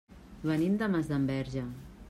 Venim de Masdenverge.